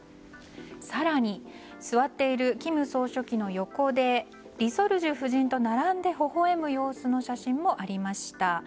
更に座っている金総書記の横でリ・ソルジュ夫人と並んで微笑む写真も公開されました。